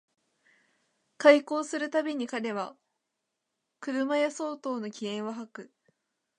邂逅する毎に彼は車屋相当の気焔を吐く